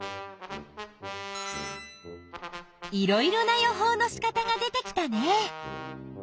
いろいろな予報のしかたが出てきたね。